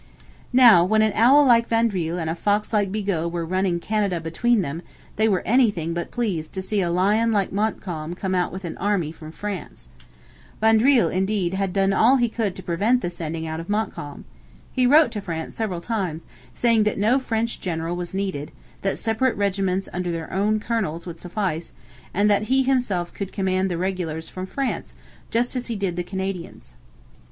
Now, when an owl like Vaudreuil and a fox like Bigot were ruining Canada between them, they were anything but pleased to see a lion like Montcalm come out with an army from France. Vaudreuil, indeed, had done all he could to prevent the sending out of Montcalm. He wrote to France several times, saying that no French general was needed, that separate regiments under their own colonels would suffice, and that he himself could command the regulars from France, just as he did the Canadians.